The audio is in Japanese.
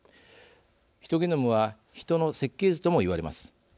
ヒトゲノムは、ヒトの設計図とも言われます。